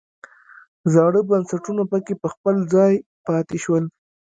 زاړه بنسټونه پکې په خپل ځای پاتې شول.